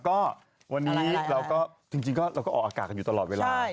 ก็วันนี้เราก็จริงเราก็ออกอากาศกันอยู่ตลอดเวลา